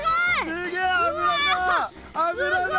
すげえ油だ！